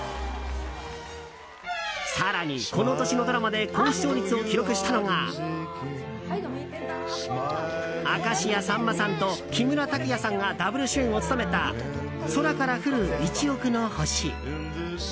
更に、この年のドラマで高視聴率を記録したのが明石家さんまさんと木村拓哉さんがダブル主演を務めた「空から降る一億の星」。